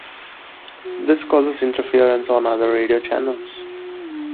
This causes interference on other radio channels.